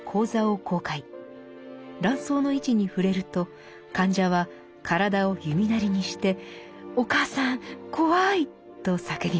卵巣の位置に触れると患者は体を弓なりにして「お母さん怖い！」と叫びます。